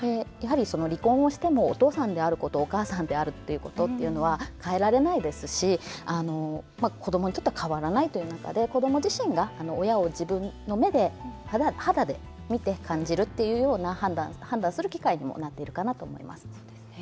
離婚をしてもお父さんであることお母さんであるっていうことは変えられないですし子どもにとっては変わらないということで子ども自身が、親を自分の目で肌で見て感じるというような判断する機会になっているかなと思います。